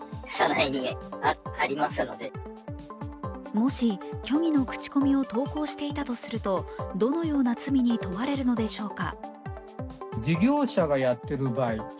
もし虚偽の口コミを投稿していたとするとどのような罪に問われるのでしょうか。